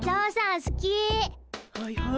はいはい。